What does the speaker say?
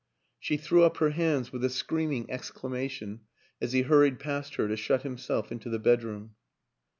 She threw up her hands 216 WILLIAM AN ENGLISHMAN with a screaming exclamation as he hurried past her to shut himself into the bedroom.